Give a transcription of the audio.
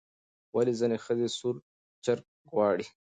ولې ځینې ښځې سور چرګ غواړي؟